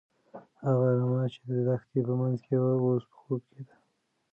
هغه رمه چې د دښتې په منځ کې وه، اوس په خوب کې ده.